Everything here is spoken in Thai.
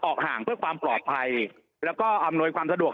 ห่างเพื่อความปลอดภัยแล้วก็อำนวยความสะดวก